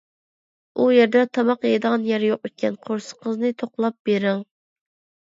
ئۇ يەردە تاماق يەيدىغان يەر يوق ئىكەن، قورسىقىڭىزنى توقلاپ بېرىڭ.